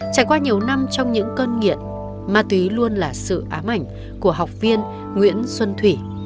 trải qua nhiều năm trong những cơn nghiện ma túy luôn là sự ám ảnh của học viên nguyễn xuân thủy